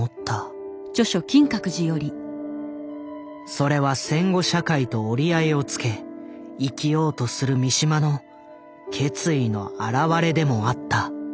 それは戦後社会と折り合いをつけ生きようとする三島の決意の表れでもあった。